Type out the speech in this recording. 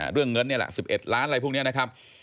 เรื่องเงิน๑๘ล้านอะไรพวกนี้นะครับ